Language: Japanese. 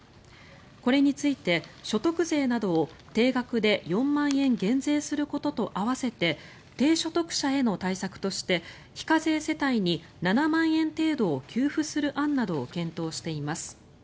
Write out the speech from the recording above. これについて、所得税などを定額で４万円減税することと併せて低所得者への対策として非課税世帯に７万円程度を給付する案などを検討しています。